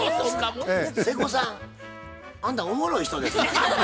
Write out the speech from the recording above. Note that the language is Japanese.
瀬古さんあんたおもろい人ですな。